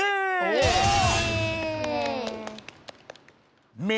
イエイ！